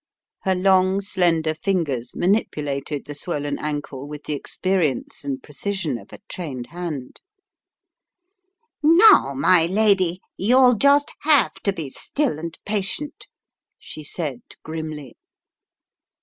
Her long, slender fingers manipulated the swollen 74 The Riddle of the Purple Emperor ankle with the experience and precision of a trained hand. "Now, my lady, you'll just have to be still and patient," she said grimly.